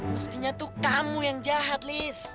mestinya tuh kamu yang jahat list